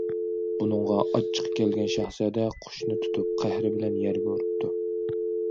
بۇنىڭغا ئاچچىقى كەلگەن شاھزادە قۇشنى تۇتۇپ، قەھرى بىلەن يەرگە ئۇرۇپتۇ.